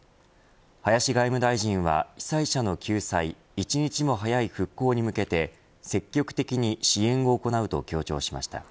林外務大臣は被災者の救済一日も早い復興に向けて積極的に支援を行うと強調しました。